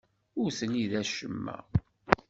Ur telli d acemma.